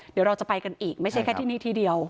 เดี๋ยวเราจะไปกันอีกไม่ใช่แค่ที่นี่ที่เดียว